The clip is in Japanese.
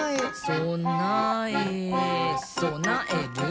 「そなえそなえる！」